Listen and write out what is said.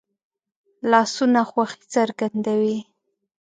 لاسونه خوښي څرګندوي